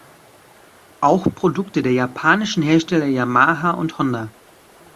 Auch Produkte der japanischen Hersteller Yamaha und Honda.